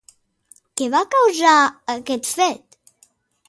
Què va causar aquest fet?